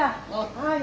はい。